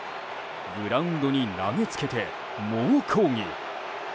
グラウンドに投げつけて猛抗議。